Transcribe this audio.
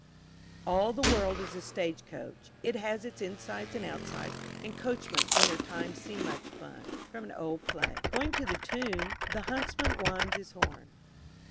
] "ALL THE WORLD IS A STAGE COACH: IT HAS ITS INSIDES AND OUTSIDES, AND COACHMEN IN THEIR TIME SEE MUCH FUN." Old Play. _Tune "The Huntsman Winds his Horn."